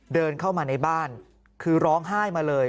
เดินเข้ามาในบ้านคือร้องไห้มาเลย